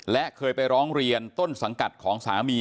และเคยไปร้องเรียนต้นสังกัดของสามี